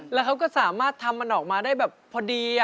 แล้วเขาก็สามารถทำมันออกมาได้แบบพอดี